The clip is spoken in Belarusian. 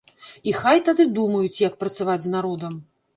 І хай тады думаюць, як працаваць з народам.